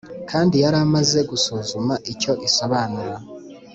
kandi yari amaze gusuzuma icyo isobanura.